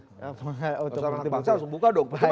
tepuk tangan pangsa harus membuka dong